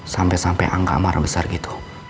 sampai sampai angga marah besar gitu